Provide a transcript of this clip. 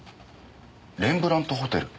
レンブラントホテルあっ！？